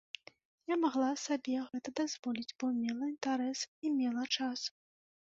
Я магла сабе гэта дазволіць, бо мела інтарэс і мела час.